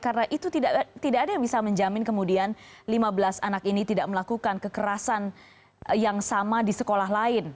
karena itu tidak ada yang bisa menjamin kemudian lima belas anak ini tidak melakukan kekerasan yang sama di sekolah lain